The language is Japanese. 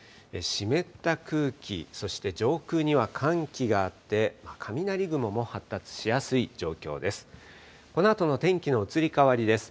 湿った空気、そして上空には寒気があって、雷雲も発達しやすい状況です。